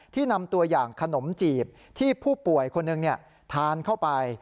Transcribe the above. นำตัวอย่างขนมจีบที่ผู้ป่วยคนหนึ่งทานเข้าไป